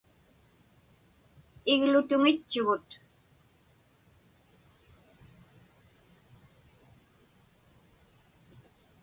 Iglutuŋitchugut.